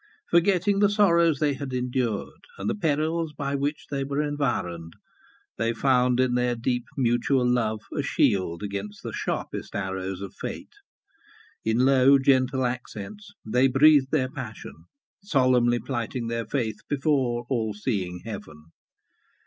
Forgetting the sorrows they had endured, and the perils by which they were environed, they found in their deep mutual love a shield against the sharpest arrows of fate. In low gentle accents they breathed their passion, solemnly plighting their faith before all seeing Heaven.